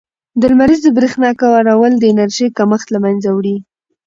د لمریزې برښنا کارول د انرژۍ کمښت له منځه وړي.